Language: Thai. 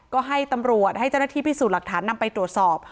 ก็ให้ตำรวจให้เจ้าหน้าที่พิสูจน์หลักฐานนำไปตรวจสอบ